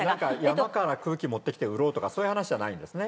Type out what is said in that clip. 山から空気持ってきて売ろうとかそういう話じゃないんですね。